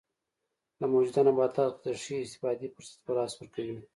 له موجوده نباتاتو څخه د ښې استفادې فرصت په لاس ورکوي.